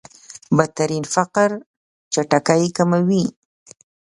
بدترين فقر چټکۍ کمېږي.